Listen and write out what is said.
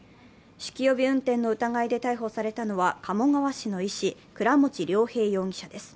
酒気帯び運転の疑いで逮捕されたのは鴨川市の医師、倉持亮平容疑者です。